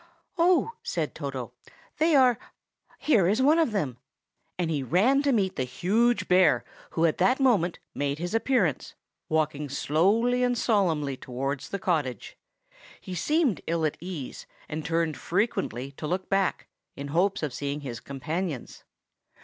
"Oh," said Toto, "they are—here is one of them!" and he ran to meet the huge bear, who at that moment made his appearance, walking slowly and solemnly towards the cottage. He seemed ill at ease, and turned frequently to look back, in hopes of seeing his companions.